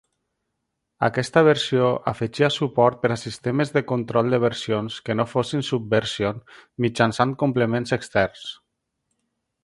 Aquesta versió afegia suport per a sistemes de control de versions que no fossin Subversion mitjançant complements externs.